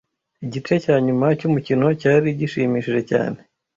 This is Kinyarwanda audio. Igice cya nyuma cyumukino cyari gishimishije cyane.